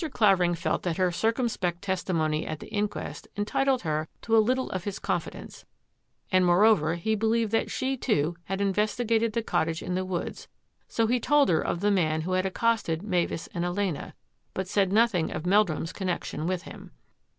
Clavering felt that her circumspect testi mony at the inquest entitled her to a little of his confidence, and, moreover, he believed that she, too, had investigated the cottage in the woods, so he told her of the man who had accosted Mavis and Elena, but said nothing of Meldnmi's connection with him.